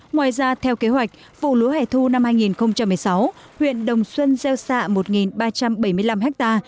ngoài ra theo kế hoạch vụ lúa hẻ thu năm hai nghìn một mươi sáu huyện đồng xuân gieo xạ một ba trăm bảy mươi năm ha